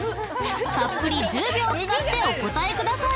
［たっぷり１０秒使ってお答えください］